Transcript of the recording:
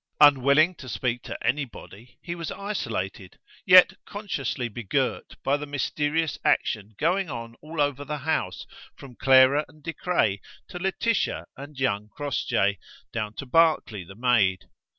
Unwilling to speak to anybody, he was isolated, yet consciously begirt by the mysterious action going on all over the house, from Clara and De Craye to Laetitia and young Crossjay, down to Barclay the maid.